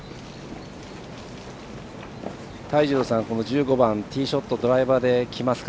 泰二郎さん、１５番ティーショットドライバーできますか？